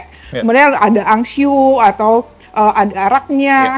kemudian ada angsu atau ada araknya